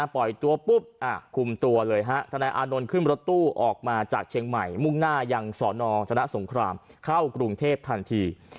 ปล่อยตัวปุ๊บคุมตัวเลยฮะทนายอานนท์ขึ้นรถตู้ออกมาจากเชียงใหม่มุ่งหน้ายังสอนอชนะสงครามเข้ากรุงเทพทันที